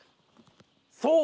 そう！